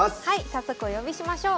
早速お呼びしましょう。